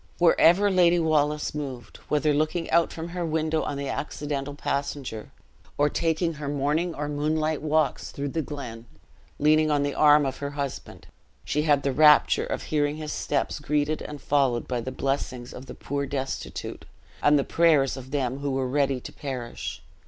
Wherever Lady Wallace moved whether looking out from her window on the accidental passenger, or taking her morning or moonlight walks through the glen, leaning on the arm of her husband she had the rapture of hearing his steps greeted and followed by the blessings of the poor destitute, and the prayers of them who were ready to perish.